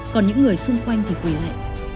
còn những người xung quanh thì quỷ lệ